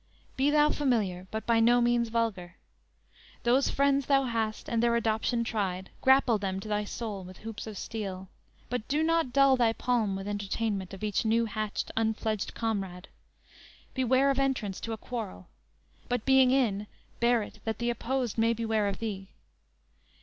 Be thou familiar, but by no means vulgar. Those friends thou hast and their adoption tried, Grapple them to thy soul with hoops of steel. But do not dull thy palm with entertainment Of each new hatched, unfledged comrade. Beware Of entrance to a quarrel; but being in, Bear it that the opposed may beware of thee.